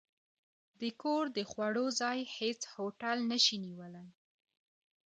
د کور د خوړو، ځای هېڅ هوټل نه شي نیولی.